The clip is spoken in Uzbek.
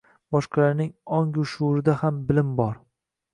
Boshqalarning ong-u shuurida ham bilim bor.